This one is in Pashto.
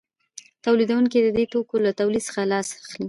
تولیدونکي د دې توکو له تولید څخه لاس اخلي